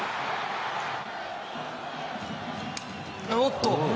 おっと！